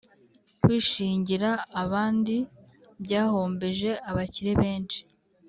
Kwishingira abandi byahombeje abakire benshi,